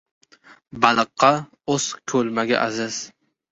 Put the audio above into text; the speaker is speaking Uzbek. • Baliqqa o‘z ko‘lmagi aziz.